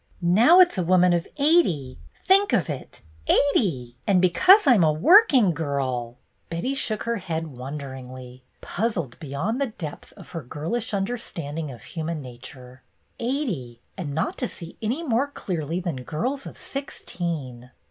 "Now it 's a woman of eighty I Think of it, eighty! And because I'm a 'working girl'!" 1 12 BETTY BAIRD'S GOLDEN YEAR Betty shook her head wonderingly, puzzled beyond the depth of her girlish understanding of human nature. Eighty, and not to see any more clearly than girls of sixteen